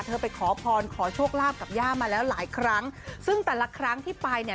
ไปขอพรขอโชคลาภกับย่ามาแล้วหลายครั้งซึ่งแต่ละครั้งที่ไปเนี่ย